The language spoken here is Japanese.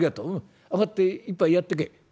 上がって一杯やってけ」。